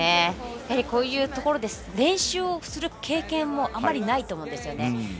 こういうところで練習をする経験もあまりないと思うんですよね。